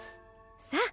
さあ！